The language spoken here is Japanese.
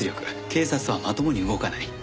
警察はまともに動かない。